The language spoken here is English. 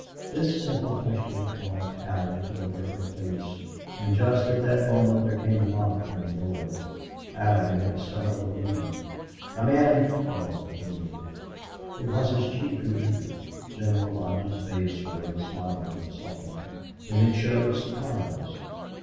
This simple question caused Allie to avert her face, and just at that moment there came a knock on the door. Allie made a startled movement. "Come in," called Neale. It was his chief who entered. General Lodge's face wore the smile that softened it. Then it showed surprise.